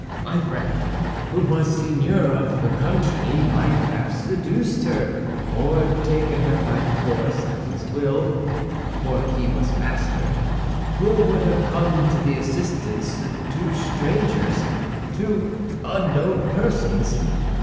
My friend, who was seigneur of the country, might have seduced her, or taken her by force, at his will—for he was master. Who would have come to the assistance of two strangers, two unknown persons?